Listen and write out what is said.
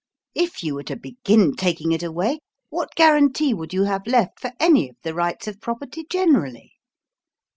If you were to begin taking it away, what guarantee would you have left for any of the rights of property generally?"